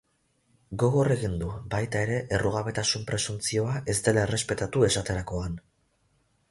Gogor egin du, baita ere, errugabetasun presuntzioa ez dela errespetatu esaterakoan.